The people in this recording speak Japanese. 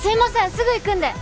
すぐ行くんで。